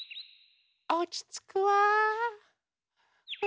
おちつくわ。